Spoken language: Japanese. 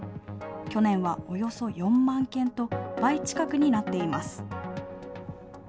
去年はおよそ４万件と、倍近くになっています。